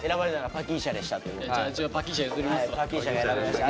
パキーシャが選ばれました